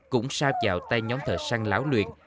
cũng sao vào tay nhóm thợ săn lão luyện